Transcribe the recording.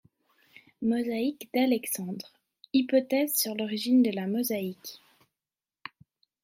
Mosaïque d'Alexandre - Hypothèses sur l'origine de la mosaïque.